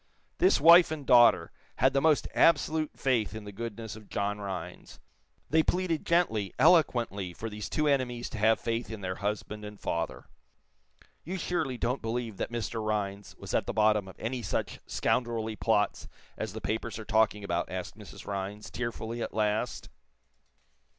This wife and daughter had the most absolute faith in the goodness of John Rhinds. They pleaded gently, eloquently, for these two enemies to have faith in their husband and father. "You surely don't believe that Mr. Rhinds was at the bottom of any such scoundrelly plot as the papers are talking about?" asked Mrs. Rhinds, tearfully, at last.